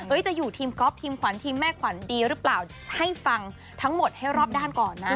จะอยู่ทีมก๊อฟทีมขวัญทีมแม่ขวัญดีหรือเปล่าให้ฟังทั้งหมดให้รอบด้านก่อนนะ